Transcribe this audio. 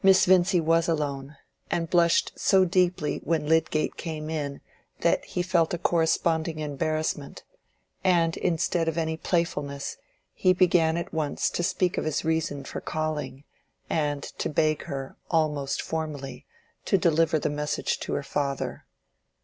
Miss Vincy was alone, and blushed so deeply when Lydgate came in that he felt a corresponding embarrassment, and instead of any playfulness, he began at once to speak of his reason for calling, and to beg her, almost formally, to deliver the message to her father.